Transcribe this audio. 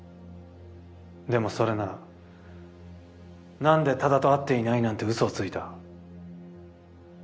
でもそれならなんで多田と会っていないなんてうそをついた？